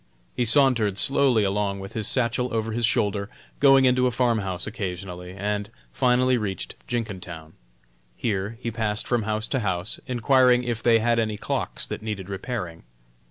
He sauntered slowly along with his satchel over his shoulder, going into a farmhouse occasionally, and finally reached Jenkintown. Here he passed from house to house, enquiring if they had any clocks that needed repairing.